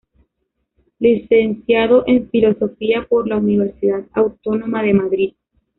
Licenciado en Filosofía por la Universidad Autónoma de Madrid.